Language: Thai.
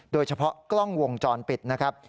โดยเฉพาะกล้องวงจรปิดนะครับ